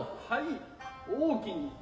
はい大きに